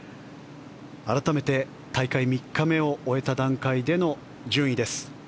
改めて大会３日目を終えた段階での順位です。